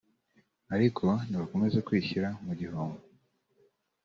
ariko nti bakomeze kwishyira mu gihombo